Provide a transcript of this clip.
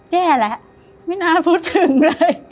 แย่แล้วไม่น่าพูดถึงเลย